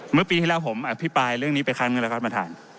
เมื่อปีที่แล้วผมอภิปรายเรื่องนี้ไปคันเงินละครัฐประธาน